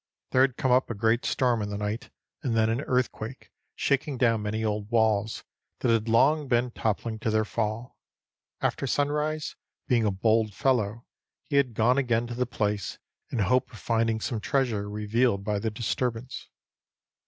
There had come up a great storm in the night, and then an earthquake, shaking down many old walls that had long been toppling to their fall. After sunrise, being a bold fellow, he had gone again to the place, in hope of finding some treasure revealed by the disturbance.